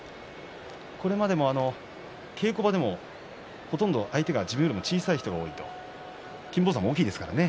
これまでも稽古場でもほとんどが相手が自分よりも小さい人が多いと金峰山は大きいですからね。